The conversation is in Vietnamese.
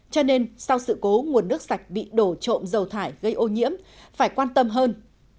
cho nên sau sự cố nguồn nước sạch bị đổ trộm dầu thải gây ô nhiễm phải quan tâm hơn